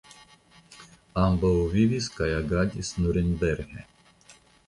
Ambaŭ vivis kaj agadis Nurenberge.